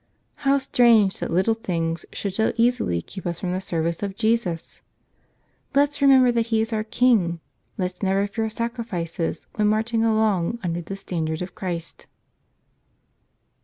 How strange that little things should so easily keep us from the service of Jesus! Let's remember that He is our King. Let's never fear sacrifices when marching along under the stand¬ ard of Christ.